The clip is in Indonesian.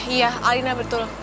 iya alina betul